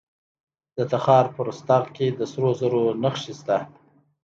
د تخار په رستاق کې د سرو زرو نښې شته.